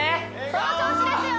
その調子ですよ！